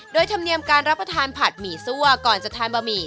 โดยธรรมเนียมการรับประทานผัดหมี่ซั่วก่อนจะทานบะหมี่